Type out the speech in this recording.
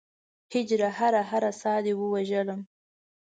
هجره! هره هره ساه دې ووژلم